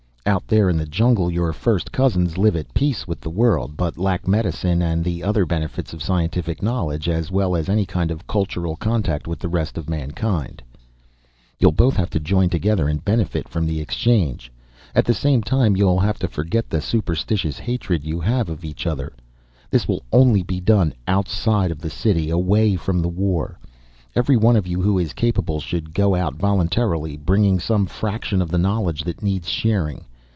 Out there in the jungle, your first cousins live at peace with the world, but lack medicine and the other benefits of scientific knowledge, as well as any kind of cultural contact with the rest of mankind. You'll both have to join together and benefit from the exchange. At the same time you'll have to forget the superstitious hatred you have of each other. This will only be done outside of the city, away from the war. Every one of you who is capable should go out voluntarily, bringing some fraction of the knowledge that needs sharing.